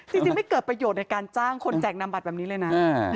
จริงไม่เกิดประโยชน์ในการจ้างคนแจกนำบัตรแบบนี้เลยนะ